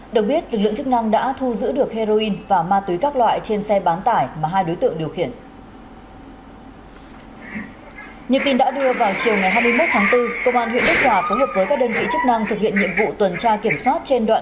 được biết lực lượng chức năng đã thu giữ được heroin và ma túy các loại trên xe bán tải mà hai đối tượng điều khiển